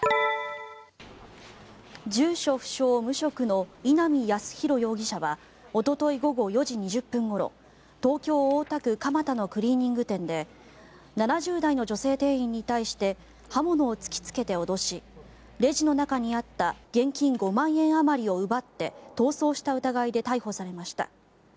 住所不詳・無職の稲見康博容疑者はおととい午後４時２０分ごろ東京・大田区蒲田のクリーニング店で７０代の女性店員に対して刃物を突きつけて脅しレジの中にあった現金５万円あまりを奪って逃走した疑いで逮捕されました。